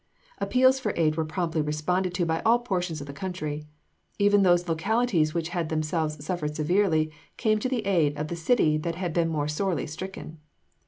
Appeals for aid were promptly responded to by all portions of the country. Even those localities which had themselves suffered severely, came to the aid of the city that had been more sorely stricken.